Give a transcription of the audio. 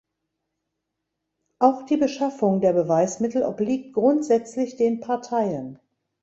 Auch die Beschaffung der Beweismittel obliegt grundsätzlich den Parteien.